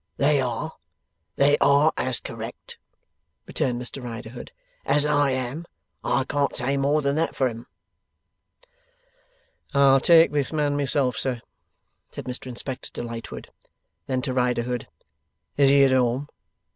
'They are. They are as correct,' returned Mr Riderhood, 'as I am. I can't say more than that for 'em.' 'I'll take this man myself, sir,' said Mr Inspector to Lightwood. Then to Riderhood, 'Is he at home?